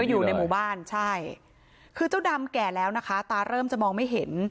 อยู่ในหมู่บ้านใช่คือเจ้าดำแก่แล้วนะคะตาเริ่มจะมองไม่เห็น